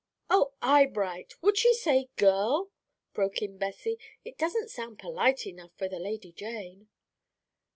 '" "Oh, Eyebright, would she say 'girl?'" broke in Bessie; "it doesn't sound polite enough for the Lady Jane."